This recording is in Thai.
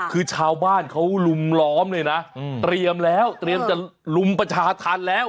คือชาวบ้านเขาลุมล้อมเลยนะเตรียมแล้วเตรียมจะลุมประชาธรรมแล้ว